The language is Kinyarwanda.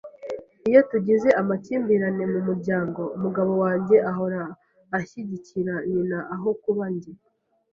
Iyo tugize amakimbirane mu muryango, umugabo wanjye ahora ashyigikira nyina aho kuba njye.